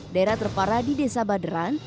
daerah terparah di desa baderan